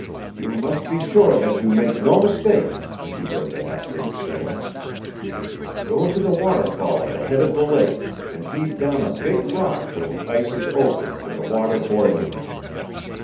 "You must be sure that you make no mistake," he heard the half breed say. "Go to the waterfall at the head of the lake and heave down a big rock where the ice is open and the water boiling.